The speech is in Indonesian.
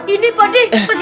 ini pak d